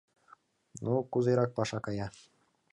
Ну, кузерак паша кая?